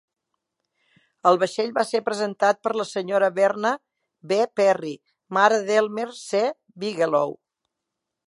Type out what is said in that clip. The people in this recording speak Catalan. El vaixell va ser presentat per la senyora Verna B. Perry, mare d'Elmer C. Bigelow.